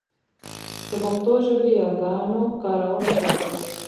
د پښتو ژبې ياګانو کارول زده کړئ.